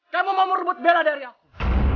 kamu mau merebut bella dari aku